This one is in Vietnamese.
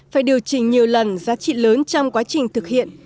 phải điều chỉnh nhiều lần giá trị lớn trong quá trình thực hiện